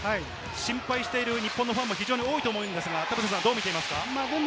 心配している日本のファンも非常に多いと思うんですが、田臥さんどう見ていますか？